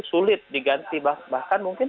sulit diganti bahkan mungkin